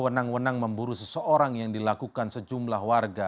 wenang wenang memburu seseorang yang dilakukan sejumlah warga